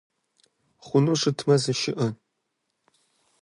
Хъуну щытмэ зышыӏэ!